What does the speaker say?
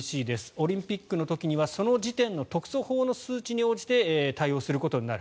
オリンピックの時にはその時点の特措法の数値に応じて対応することになる。